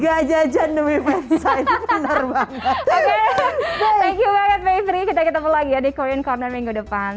gak jajan demi pasti besar banget oke thank you banget mayfrey kita ketemu lagi ya di korean corner minggu depan